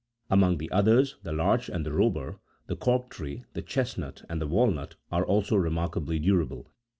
Among the others, the larch, the robur, he cork tree, the chesnut, and the walnut are also remarkably durable.